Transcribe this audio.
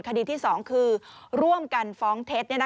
คดีที่๒คือร่วมกันฟ้องเท็จ